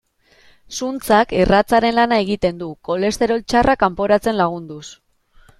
Zuntzak erratzaren lana egiten du, kolesterol txarra kanporatzen lagunduz.